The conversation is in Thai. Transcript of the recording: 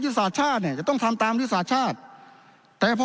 ศาสตร์ชาติเนี่ยจะต้องทำตามยุทธศาสตร์ชาติแต่พอ